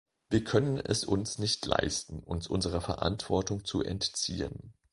Wir können es uns nicht leisten, uns unserer Verantwortung zu entziehen.